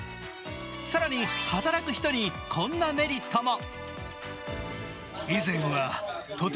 更に働く人にこんなメリットも。